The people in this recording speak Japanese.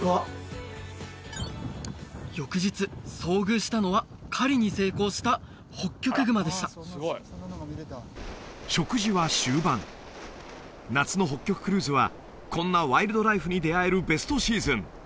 翌日遭遇したのは狩りに成功したホッキョクグマでした食事は終盤夏の北極クルーズはこんなワイルドライフに出会えるベストシーズン